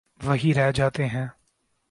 وہی رہ جاتے ہیں۔